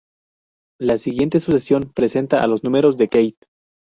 La siguiente sucesión presenta a los números de Keith.